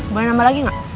boleh nambah lagi gak